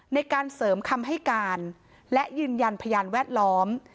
ในการเสริมคำให้การและยืนยันพยานแวดล้อม